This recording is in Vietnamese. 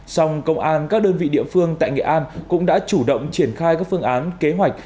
song công an các đơn vị địa phương tại nghệ an cũng đã chủ động triển khai các phương án kế hoạch